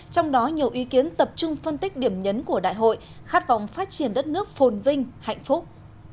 trong đó nhiều ý kiến tập trung phân tích điểm nhấn của đại hội khát vọng phát triển đất nước phồn vinh hạnh phúc